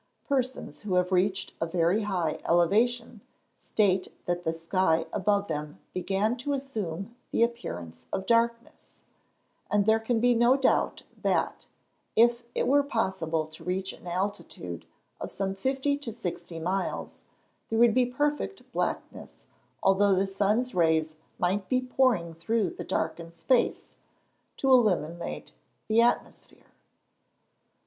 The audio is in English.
Persons who have reached a very high elevation, state that the sky above them began to assume the appearance of darkness; and there can be no doubt that, if it were possible to reach an altitude of some fifty to sixty miles, there would be perfect blackness although the sun's rays might be pouring through the darkened space, to illuminate the atmosphere.